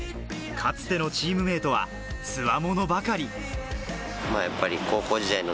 かつてのチームメートはつわものばかり。